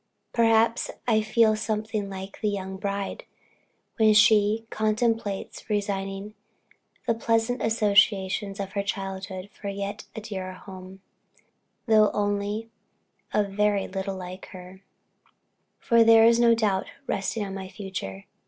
Perhaps I feel something like the young bride, when she contemplates resigning the pleasant associations of her childhood, for a yet dearer home though only a very little like her for there is no doubt resting on my future."